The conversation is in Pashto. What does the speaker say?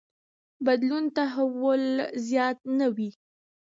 بدلون تحول زیات نه وي.